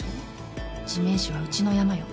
地面師はうちのヤマよ。